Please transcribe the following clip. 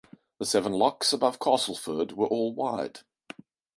The seven locks above Castelford were all wide.